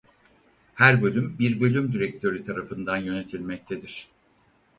Her bölüm bir bölüm direktörü tarafından yönetilmektedir.